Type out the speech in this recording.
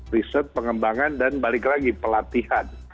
riset pengembangan dan balik lagi pelatihan